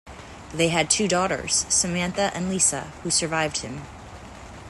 They had two daughters, Samantha and Lisa, who survived him.